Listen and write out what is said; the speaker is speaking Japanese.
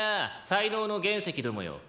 才能の原石どもよ」